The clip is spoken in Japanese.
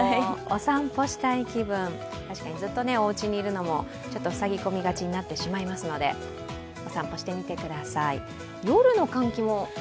お散歩したい気分、確かにずっとおうちにいるのもちょっと塞ぎがちになってしまいますのでお散歩してみてください。